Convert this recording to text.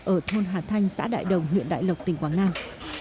ở thôn hà thanh xã đại đồng huyện đại lộc tỉnh quảng nam